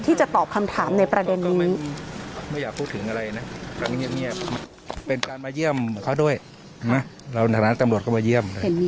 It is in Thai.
ที่จะตอบคำถามในประเด็นนี้